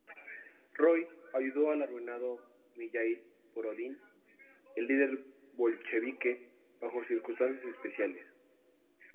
Roy ayudó al arruinado Mijaíl Borodin, el líder bolchevique, bajo circunstancias especiales.